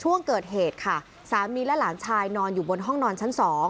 ช่วงเกิดเหตุค่ะสามีและหลานชายนอนอยู่บนห้องนอนชั้น๒